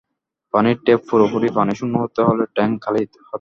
পানির ট্যাপ পুরোপুরি পানিশূন্য হতে হলে ট্যাংক খালি হতে হবে।